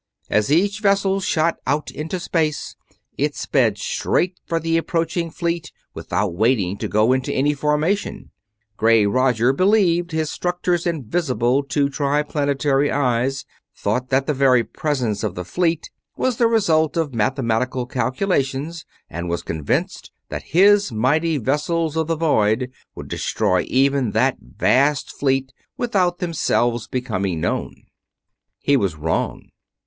As each vessel shot out into space it sped straight for the approaching fleet without waiting to go into any formation gray Roger believed his structures invisible to Triplanetary eyes, thought that the presence of the fleet was the result of mathematical calculations, and was convinced that his mighty vessels of the void would destroy even that vast fleet without themselves becoming known. He was wrong.